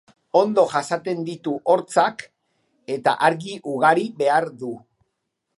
Ondo jasaten ditu hotzak eta argi ugari behar du.